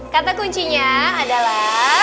kata kuncinya adalah